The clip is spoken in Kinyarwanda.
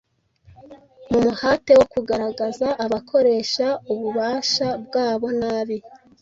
mu muhate wo kugaragaza abakoresha ububasha bwabo nabi,